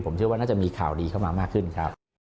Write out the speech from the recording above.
ผมเชื่อว่าน่าจะมีข่าวดีเข้ามามากขึ้นครับ